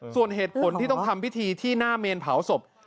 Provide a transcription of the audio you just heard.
ส่วนเหตุผลที่ต้องทำพิธีที่หน้าเมนเผาศพ